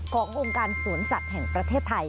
ขององค์การสวนสัตว์แห่งประเทศไทย